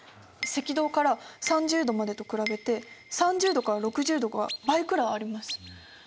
赤道から３０度までと比べて３０度から６０度が倍くらいあります。